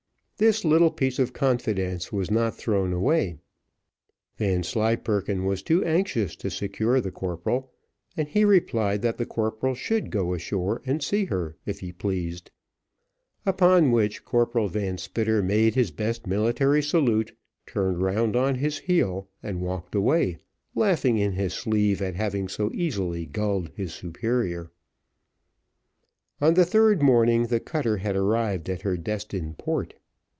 This little piece of confidence was not thrown away. Vanslyperken was too anxious to secure the corporal, and he replied, that the corporal should go ashore and see her, if he pleased; upon which Corporal Van Spitter made his best military salute, turned round on his heel, and walked away, laughing in his sleeve at having so easily gulled his superior. On the third morning the cutter had arrived at her destined port.